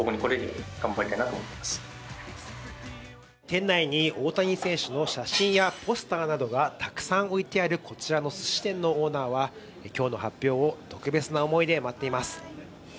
店内に大谷選手の写真やポスターなどがたくさん置いてあるこちらのすし店のオーナーは、今日の発表を特別な思いで待っています。